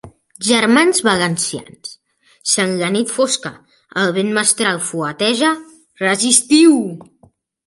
Germans valencians, si en la nit fosca el vent mestral fueteja, resistiu!